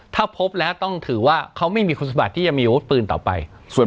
ถ้าพบแล้วต้องถือว่าเขาไม่มีคุณสมบัติที่จะมีอาวุธปืนต่อไป